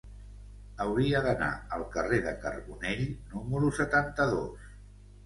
Hauria d'anar al carrer de Carbonell número setanta-dos.